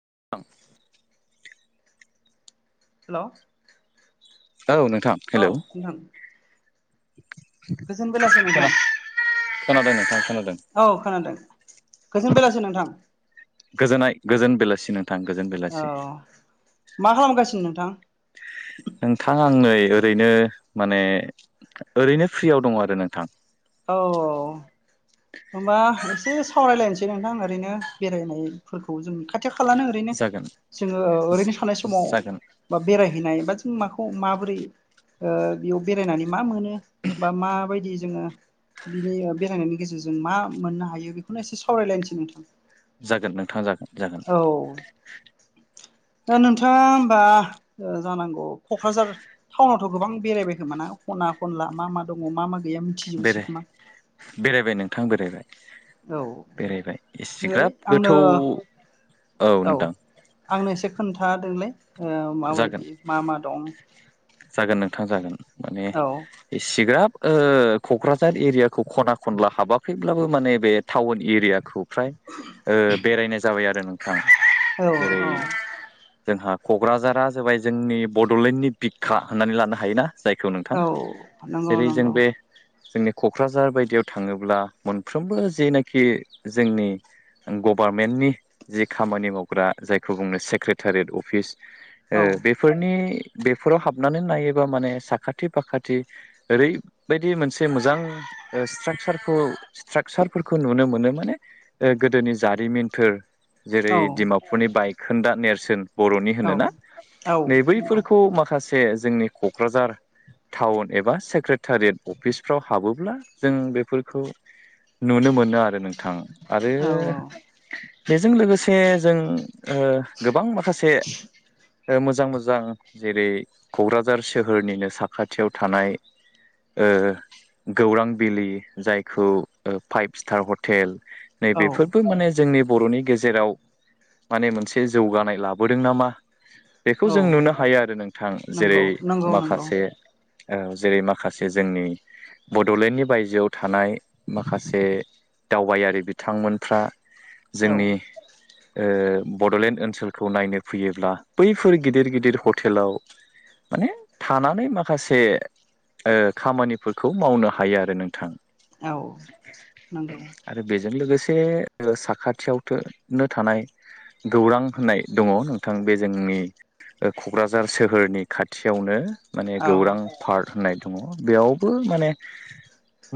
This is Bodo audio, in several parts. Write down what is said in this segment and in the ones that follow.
[inaudible] हेल' औ नोंथां हेलौ गोजोन बेलासे नोंथां खोनादों नोंथां खोनादों औ खोनादों गोजोन बेलासे नोंथां गोजोननाय गोजोन बेलासिनो थां गोजोन औ बेलासे मा खालामगासिनो नोंथां आं नै ओरैनो माने ओरैनो फ्रियाव दङ आरो नोंथां औ होमबा एसे सावरायलायनोसै नोंथां ओरैनो बेरायनायफोरखौ जोंनि खाथि खालानो ओरैनो जागोन जोङो ओ ओरैनो सानाय समाव जागोन बा बेरायहैनाय बा जों माखौ माबोरै ओ बेयाव बेरायनानै मा मोनो बा माबायदि जोङो बिनि बेरायनायनि गेजेरजों मा मोननो हायो बेखौनो एसे सावरायलायनोसै नोंथां। जागोन नोंथां जागोन जागोन। औ दा नोंथाङा ओमबा ओ जानांगौ क'क्राझार टाउ नाव गोबां बेरायबाय खोमा ना खना खनला मा मा दङ मा मा गैया मिनथिजोबोसै बेराय खोमा? बेरायबाय नोंथां बेरायबाय औ [unintelligible] बेरायबाय इसिग्राब आंनो गोथौ औ आंनो एसे खोन्थादोंलाय। ओ जागोन माबायदि मा मा दं थां जागोन माने औ एसिग्राब ओ क'क्राझार एरियाखौ खना खनला हाबाखैब्लाबो माने बे टाउन एरियाखौ फ्राय ओ बेरायनाय जाबाय आरो नोंथां। औ जेरै औ। जोंहा क'ग्राझारा जाबाय जोंनि बड'लेण्डनि बिखा होननानै लानो हायो ना। जायखौ नोंथां औ नंगौ जेरै जों नंगौ बे जोंनि क'क्राझार बायदियाव थाङोब्ला मोनफ्रोमबो जेनाखि जोंनि गभार्नमेन्टनि जि खामानि मावग्रा जायखौ बुंनो सेक्रेटारियेट अफिस औ ओ बेफोरनि बेफोराव हाबनानै नायोबा माने साखाथि फाखाथि ओरैबायदि मोनसे मोजां ओ स्ट्राकसारखौ स्ट्राकचारफोरखौ नुनो मोनो माने ओ गोदोनि जारिमिनफोर जेरै औ दिमापुरनि बायखोन्दा नेरसोन बर' औ होनोना औ नै नंगौ बैफोरखौ माखासे जोंनि क'क्राझार टाउन एबा सेक्रेटारियेट अफिसफ्राव हाबोब्ला जों बेफोरखौ नुनो मोनो आरो नोंथां। आरो औ बेजों लोगोसे जों ओ गोबां माखासे ओ मोजां मोजां जेरै क'क्राझार सोहोरनिनो साखाथियाव थानाय ओ गौरां बिलि जायखौ ओ फाइभ स्टार हटेल नै औ बेेफोरबो माने जोंनि बर'नि गेजेराव माने मोनसे जौगानाय लाबोदों नामा बेखौ जों औ नुनो हायो आरो नोंथां नंगौ जेरै नंगौ नंगौ माखासे ओ जेरै माखासे जोंनि बड'लेण्डनि बायजोआव थानाय माखासे दावबायारि बिथांमोनफ्रा औ जोंनि ओ बड'लेण्ड ओनसोलखौ नायनो फैयोब्ला बैफोर गिदिर गिदिर हटेलाव माने थानानै माखासे ओ खामानिफोरखौ मावनो हायो आरो नोंथां। औ नोंगौ। जों लोगोसे ओ साखाथियावथो नो थानाय गौरां होननाय दङ नोंथां बे जोंनि ओ क'क्राझार सोहोरनि खाथियावनो माने औ गौरां पार्क होननाय दङ बेयावबो माने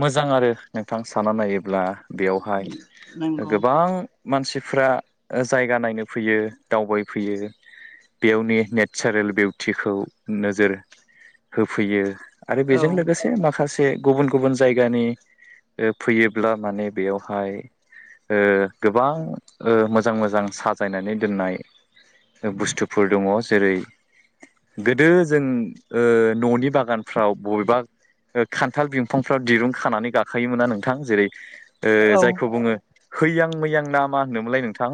मोजां आरो नोंथां सानना नायोब्ला बेयावहाय ओ नंगौ गोबां मानसिफ्रा ओ जायगा नायनो फैयो दावबायफैयो बेयावनि नेथचारेल बिउटिखौ नोजोर होफैयो। आरो बेजों औ लोगोसे माखास से गुबुन गुबुन जायगानि ओ फैयोब्ला माने बेयावहाय ओ गोबां ओ मोजां मोजां साजायनानै दोननाय ओ बुस्थुफोर दङ जेरै गोदो जों ओ न'नि बागानफ्राव बबेबा ओ खान्थाल बिंफांफ्राव दिरुं खानानै गाखोयोमोनना नोंथां जेरै ओ औ जायखौ बुङो हैयां मैयां ना मा होनदोंमोनलाय नोंथां।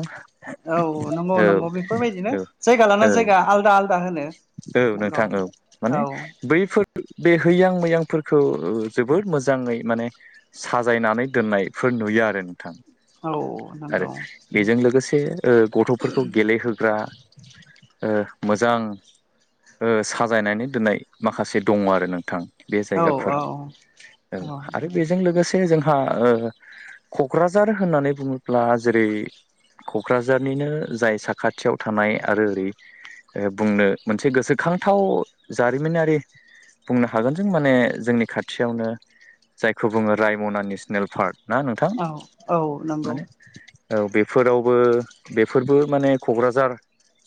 औ नंगौ औ नंगौ औ बेफोरबायदिनो जायगा लाना औ जायगा आलदा आलदा। होनो औ नंगौ नोंथां औ माने औ बैफोर। बे हैयां मैयांफोरखौ जोबोद मोजाङै माने साजायनानै दोननाय। नुयो आरो नोंथां औ आरो नंगौ बेजों लोगोसे गथ'फोरखौ गेलेहोग्रा ओ मोजां साजायनानै दोननाय माखासे दङ आरो नोंथां। बे औ जायगाफोराव औ औ आरो बेजों लोगोसे बे जोंहा क'क्राझार होननानै बुङोब्ला जेरै। क'क्राझारनिनो जाय साखाथियाव थानाय आरो ओरै बुंनो मोनसे गोसोखांथाव जारिमिनारि बुंनो हागोन जों माने जोंनि खाथियावनो जायखौ बुङो रायमना नेसनेल पार्क। ना नोंथां औ औ नंगौ माने औ बेफोरावबो बेफोरबो माने क'क्राझार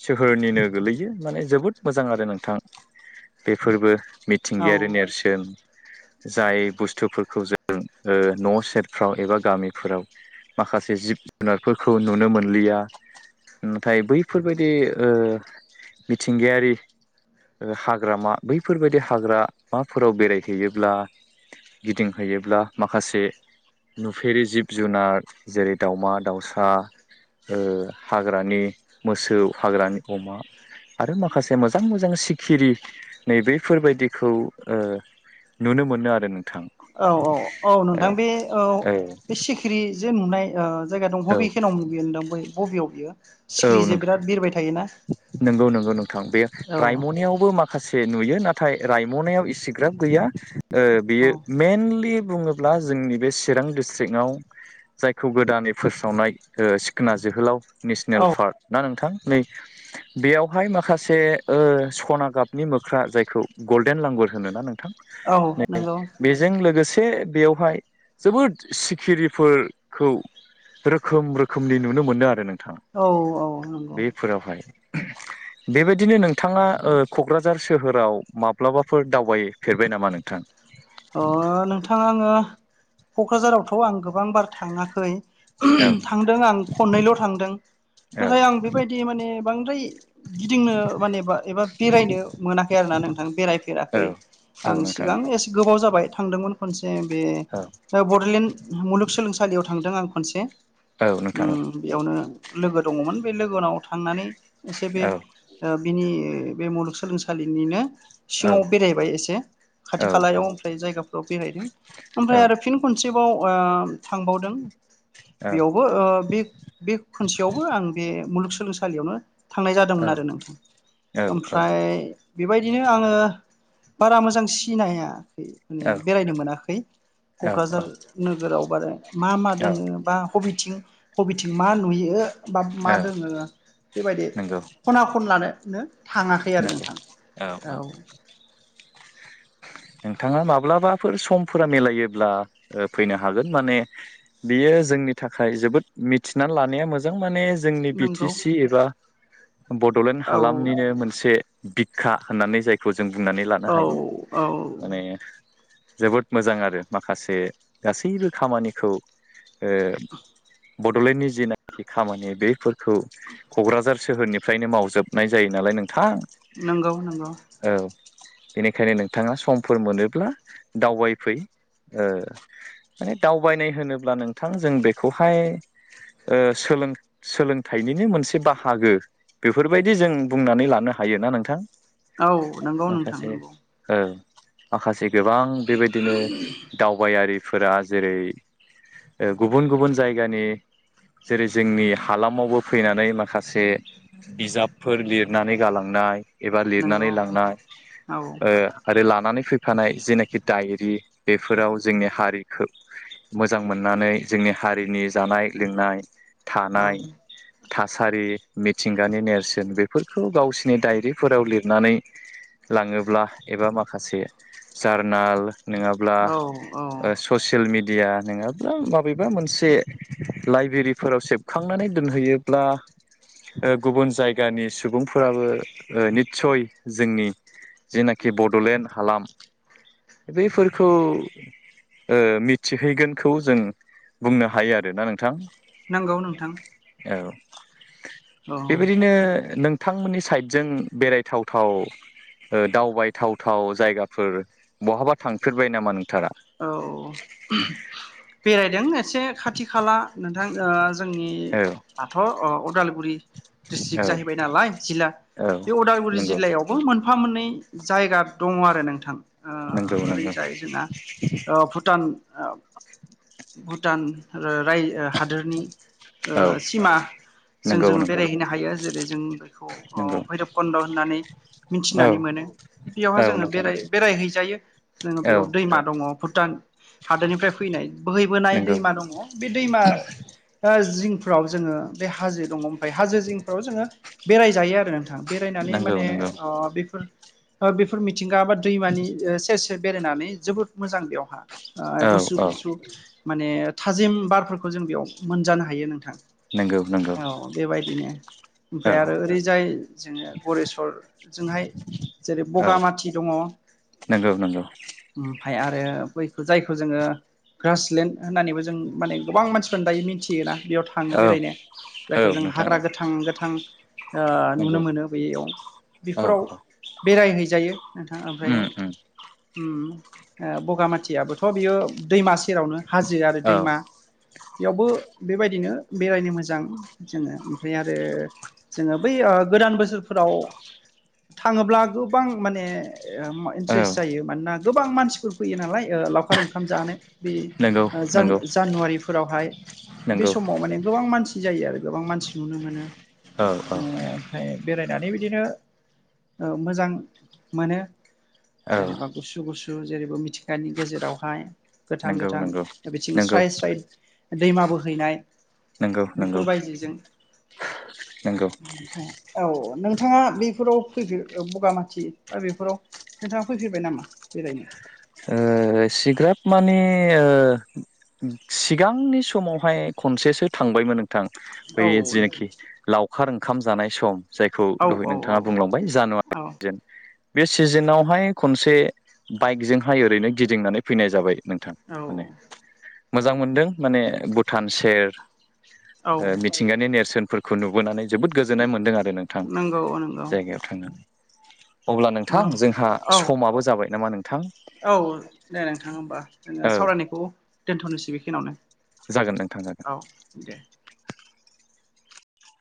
सोहोरनिनो गोल्लैयो माने। जोबोद मोजां आरो नोंथां बेफोरबो औ मिथिंगायारि नेरसोन जाय बुस्थुफोरखौ जों न' सेरफ्राव एबा गामिफोराव माखासे जिब जुनारफोरखौ नुनो मोनलिया नाथाय बैफोरबायदि मिथिंगायारि हाग्रामा बैफोरबायदि हाग्रा माफोराव बेरायहैयोब्ला गिदिंहायो बियोब्ला माखासे नुफेरि जिब जुनार जेरै दाउमा-दाउसा हाग्रानि मोसौ हाग्रानि अमा आरो माखासे मोजां मोजां सिखिरि नै बैफोरबायदिखौ नुनो मोनो आरो नों औ औ औ नोंथां बे औ बे सिखिरि जे नुनाय जायगा औ दंबि खनाव बियो नोंथां बबेयाव बियो औ सिखिरि जे बिराद बिरबाय थायोना नंगौ नंगौ नोंथां बेयो औ रायमनियावबो माखा माखासे नुयो नाथाय रायमनायाव इसिग्राब गैया औ बेयो मेइेनलि बुङोब्ला जोंनि बे चिरां डिस्ट्रिक्टआव जायखौ गोदानै फोसावनाय सिखोना जोहोलाव जोहोलाव नेसनेल औ पार्क ना नोंथां नै बेयावहाय माखासे सना गाबनि मोख्रा जायखौ गल्डेन लांगु होनोना नोंथां औ नै नंगौ बेजों लोगोसे बेयावहाय जोबोद सिखिरिफोरखौ रोखोम रोखोमनि नुनो मोनो आरो नोंथाङा। औ औ नंगौ। बेबायदिनो नोंथाङा क'क्राझार सोहोराव माब्लाबाफोर दावबायो। अ नोंथाङा आङो क'क्राझारावथ' आं गोबां बार थाङाखै औ थांदों आं खननैल' थांदों। औ नाथाय आं बेबायदि माने बांद्राय गिदिंनो माने एबा बेरायनो मोनाखै आरो ना नोंथां औ बेरायफेराखै। औ आं नोंथां सिगां एसे गोबाव जाबाय थांदोंमोन खनसे बे औ बड'लेण्ड मुलुगसोलोंसालियाव थां। थांदों आं खनसे औ नोंथां औ बेयावनो लोगो दङमोन बे लोगोनाव थांनानै। एसे बे औ बिनि बे मुलुगसोलोंसालिनिनो औ सिङाव बेरायबाय एसे खाथि औ खालायाव ओमफ्राय जायगाफोराव बेरायदों ओमफ्राय आरो फिन खनसे थांबावदों औ बेयावबो बे बे खनसेयावबो आं बे मुलुगसोलोंसालियावनो थांनाय जादोंमोन औ आरो नोंथां औ ओमफ्राय बेबायदिनो आङो बारा मोजां सिनाया माने बेरायनो मोनाखै औ क'क्राझार नोगोराव बा आरो मा मा औ दङो बा। हबिथिं हबिथिं मा नुयो। बा औ मा दोङो बेबायदि नंगौ खना खनलानोनो थाङाखै आरो नंगौ नोंथां औ नोंथाङा माब्लाबाफोर समफोरा मिलायोब्ला फैनो हागोन माने बियो जोंनि थाखाय जोबोद मिथिनानै लानाया मोजां माने जोंनि बिटि नंगौ सि एबा बड'लेण्ड औ हालामनिनो मोनसे बिखा होननानै जायखौ जों बुंनानै लानो औ हायो औ माने जोबोद मोजां आरो माखासे गासैबो खामानिखौ ओ बड'लेण्डनि जिनाखि खामानि बेफोर खौ क'क्राझार सोहोरनिफ्रायनो मावजोबनाय जायो नालाय नों थां नंगौ नंगौ औ बेनिखायनो नोंथाङा समफोर मोनोब्ला दावबायफै ओ माने दावबायनाय होनोब्ला नोंथां जों बेखौहाय ओ सोलों सोलोंथाइनिनो मोनसे बाहागो बेफोरबायदि जों बुंनानै लानो हा- हायोना नोंथां औ नंगौ नोंथां माखासे नंगौ औ माखासे गोबां बेबायदिनो दावबायारिफोरा जेरै ओ गुबुन गुबुन जायगानि जेरै जोंनि हालामावबो फैनानै माखासे बिजाबफोर लिरनानै गालांनाय एबा नंगौ लिरनानै लांनाय औ ओ आरो लानानै फैफानाय जेनाखि दायरि बेफोराव जोंनि हारिखौ मोजां मोननानै जोंनि हारिनि जानाय लोंनाय थानाय औ थासारि मिथिंगानि नेरसोन बेफोरखौ गावसिनि दायरिफोराव लिरनानै लाङोब्ला एबा माखासे जार्नाल नोङाब्ला औ औ ओ ससियेल मिडि- मिदिया नोङाब्ला माबेबा मोनसे लाइबेरिफोराव सेबखांनानै दोनहैयोब्ला ओ गुबुन जायगानि सुबुंफोराबो निस्सय जोंनि जेना खि बड'लेण्ड हालाम बेैफोरखौ ओ मिथिहैगोनखौ जों बुंनो हायो आरो ना नोंथां नंगौ नोंथां औ औ बेबायदिनो नोंथांमोननि साइड जों बेरायथावथाव ओ दावबाय थाव थाव जायगाफोर बहाबा थांफेरबाय नामा नों- औ बेरायदों एसे खाथि खाला नोंथां ओ जोंनि औ आथ' अदालगुरि डिस्ट्रिक्ट औ जाहैबाय नालाय जिल्ला औ बे उदालगुरि नंगौ जिल्लायावबो मोनफा मोननै जायगा दङ आरो नोंथां ओ नंगौ ओरै नंगौ जायो जोंना ओ भुटान ओ भुटान राय हादोरनि ओ औ सिमा जों नंगौ जोङो नंगौ बेरायहैनो हायो जेरै जों बेखौ नंगौ भैरब कन्द होननानै औ मिनथिनानै मोनो बेयावहा औ जोङो नोंथां बेराय बेरायहैजायो जोङो औ बेयाव दैमा दङ भुटान हादोरनिफ्राय फैनाय बोहैबोनाय नंगौ दैमा दङ बे दैमा ओ जिंफ्राव जोङो बे हाजो दङ ओमफ्राय हाजो जिंफ्राव जोङो बेरायजायो आरो नोंथां बेरायनानै नंगौ माने नंगौ ओ बेफोर ओ बेफोर मिथिंगा बा दैमानि ओ सेर सेर बेरायनानै जोबोद मोजां बेवहा औ गुसु औ गुसु माने थाजिम बारफोरखौ जों बेयाव मोनजानो हायो नोंथां नोंगौ औ बेबायदिनो ओमफ्राय आरो ओरैजाय जोङो गरेस्वरजोंहाय जेरै बगामाथि दङ औ नोंगौ ओमफाय आरो बैखौ जायखौ जोङो ग्रासलेण्ड होननानैबो जों माने गोबां मानसिफोरानो दायो मिन्थियोना बेयाव थाङो औ बेरायनो औ जायखौ जों नोंथां हाग्रा औ गोथां गोथां ओ नुनो नंगौ मोनो बेैयाव औ बेफोराव बेरायहैजायो नोंथाङा ओमफ्राय उम उम उम ओ बगामाथियाबोथ' बियो दैमा सेरावनो हाजो आरो औ दैमा बेयावबो बेबायदिनो बेरायनो मोजां जोङो ओमफ्राय आरो जोङो बै ओ गोदान बोसोर फोराव थाङोब्ला गोबां माने ओ औ इन्ट्रेस्ट जायो मानोना गोबां मानसिफोर फैयो नालाय लावखार ओंखाम जानो बे नंगौ नंगौ जानुवारिफोरावहाय बे नंगौ समाव माने गोबां मानसि जायो आरो गोबां मानसि नुनो मोनो औ औ ओ ओमफ्राय बेरायनानै बिदिनो ओ मोजां मोनो औ जेनेबा गुसु गुसु जेरैबो मिथिंगानि गेजेरावहाय गोथां नंगौ गोथां नंगौ बिथिं नंगौ स्राय स्राय दैमा बोहैनाय नंगौ नंगौ बेफोरबायदिजों नंगौ ओमफ्राय औ नोंथाङा बेफोराव फैफेर बगामाथि बा बेफोराव नोंथाङा फैफेरबाय नामा बेरायनो? ओ एसिग्राब माने ओ सिगांनि समावहाय खनसेसो थांबायमोन थां बै औ नोंथां जेनोखि लावखार ओंखाम जानाय सम जायखौ औ दहाय औ नोंथाङा बुंलांबाय औ जानुवारि ज बे सिजोनावहाय खनसे बाइकजोंहाय ओरैनो गिदिंनानै फैनाय जाबाय नोंथां औ माने मोजां मोनदों माने भुटान सेर औ मिथिंगानि नेरसोन फोरखौ नुबोनानै जोबोद गोजोननाय मोनदों आरो नोंथां नंगौ नंगौ जायगायाव थांनानै अब्ला नोंथां औ जोंहा औ समाबो जाबाय नामा नोंथां औ दे नोंथां होमबा जोङो औ सावरायनायखौ दोनथ'नोसै बेखिनियावनो जागोन नोंथां जागोन औ दे